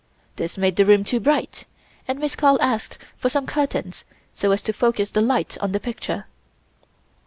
This made the room too bright, and Miss Carl asked for some curtains so as to focus the light on the picture.